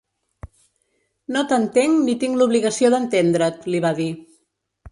No t’entenc ni tinc l’obligació d’entendre’t, li va dir.